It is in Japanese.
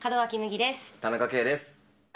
田中圭です。